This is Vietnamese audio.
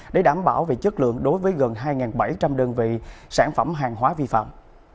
để đảm bảo về chất lượng đối với gần hai bảy trăm linh đơn vị sản phẩm hàng hóa vi phạm